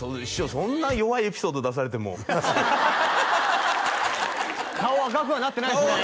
そんな弱いエピソード出されても顔赤くはなってないですね